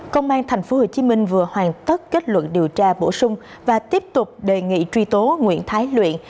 công an tp hcm vừa hoàn tất kết luận điều tra bổ sung và tiếp tục đề nghị truy tố nguyễn thái luyện